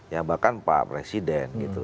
ya bahkan pak presiden gitu